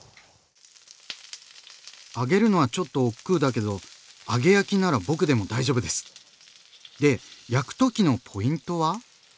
揚げるのはちょっとおっくうだけど揚げ焼きなら僕でも大丈夫です！で焼くときのポイントは？